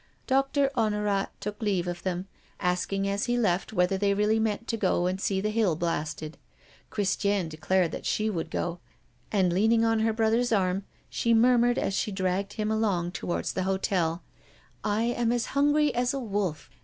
Doctor Honorat took leave of them, asking as he left whether they really meant to go and see the hill blasted. Christiane declared that she would go; and, leaning on her brother's arm, she murmured as she dragged him along toward the hotel: "I am as hungry as a wolf.